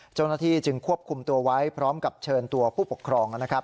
เจ้าหน้าที่จึงควบคุมตัวไว้พร้อมกับเชิญตัวผู้ปกครองนะครับ